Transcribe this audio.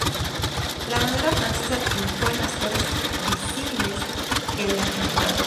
La manera francesa triunfó en las torres disímiles que la encuadran.